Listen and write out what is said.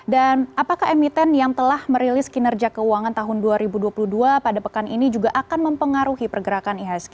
dan apakah emiten yang telah merilis kinerja keuangan tahun dua ribu dua puluh dua pada pekan ini juga akan mempengaruhi pergerakan ihsg